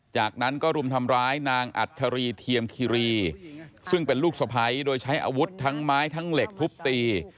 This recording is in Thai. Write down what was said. จากนั้นก็รุมทำร้ายนางอัชรีเทียมคิรีซึ่งเป็นลูกสะพ้ายโดยใช้อาวุธทั้งไม้ทั้งเหล็กทุบตี